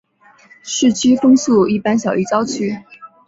市区风速一般小于郊区。